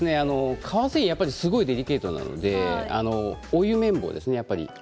革製品はすごくデリケートなのでお湯綿棒ですね。